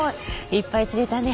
いっぱい釣れたね。